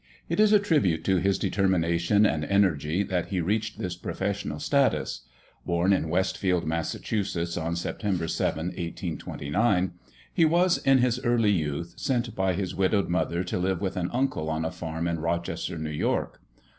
It is a tribute to his determination and energy that he reached this professional status. Born in Westfield, Massachusetts, on September 7, 1829, he was, in his early youth, sent by his widowed mother to live with an uncle on a farm in Rochester, New York.